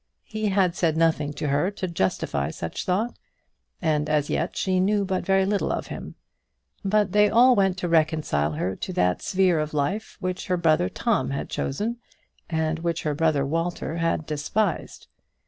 He had said nothing to her to justify such thought, and as yet she knew but very little of him. But they all went to reconcile her to that sphere of life which her brother Tom had chosen, and which her brother Walter had despised.